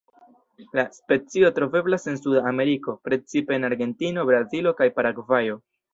La specio troveblas en Suda Ameriko, precipe en Argentino, Brazilo kaj Paragvajo.